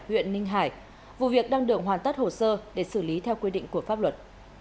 huyện ninh hải vụ việc đang được hoàn tất hồ sơ để xử lý theo quy định của pháp luật